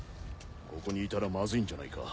ここにいたらマズいんじゃないか？